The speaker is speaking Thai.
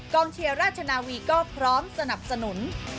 เชียร์ราชนาวีก็พร้อมสนับสนุน